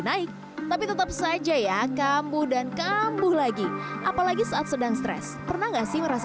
naik tapi tetap saja ya kambuh dan kambuh lagi apalagi saat sedang stres pernah gak sih merasa